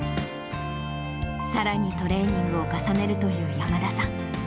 さらにトレーニングを重ねるという山田さん。